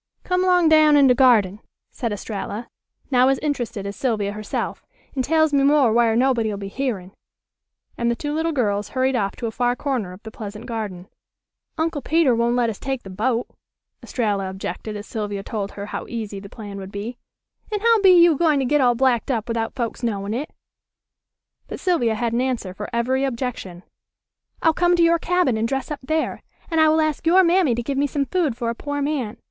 "Come 'long down in de garden," said Estralla, now as interested as Sylvia herself, "an' tells me more whar' nobody'll be hearin'," and the two little girls hurried off to a far corner of the pleasant garden. "Uncl' Peter won' let us take the boat," Estralla objected as Sylvia told her how easy the plan would be; "an' how be you gwine to get all blacked up without folks knowin' it?" But Sylvia had an answer for every objection. "I'll come to your cabin and dress up there, and I will ask your mammy to give me some food for a poor man.